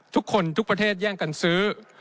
ทุกคนทุกประเทศแย่งกันซื้อ